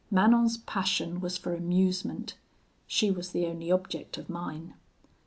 Manon's passion was for amusement; she was the only object of mine.